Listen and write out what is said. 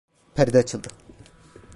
Perde açıldı…